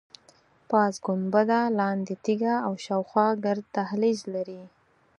پاس ګنبده، لاندې تیږه او شاخوا ګرد دهلیز لري.